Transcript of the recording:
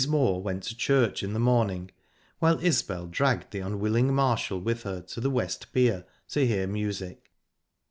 Moor went to church in the morning, while Isbel dragged the unwilling Marshall with her to the West Pier to hear music.